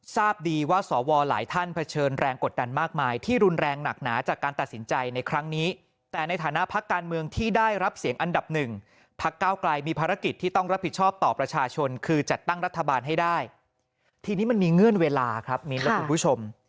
ทีนี้มันมีเงื่อนเวลาครับมินและคุณผู้ชม